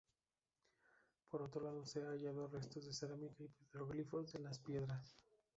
Por otro lado se han hallado restos de cerámica y petroglifos en las piedras.